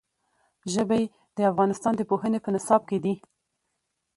ژبې د افغانستان د پوهنې په نصاب کې دي.